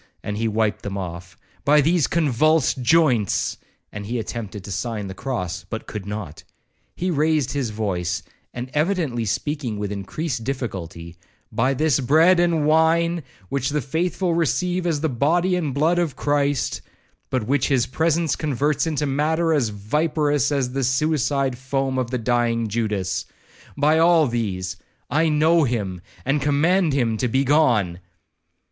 and he wiped them off,—'by these convulsed joints!' and he attempted to sign the cross, but could not. He raised his voice, and evidently speaking with increased difficulty,—'By this bread and wine, which the faithful receive as the body and blood of Christ, but which his presence converts into matter as viperous as the suicide foam of the dying Judas,—by all these—I know him, and command him to be gone!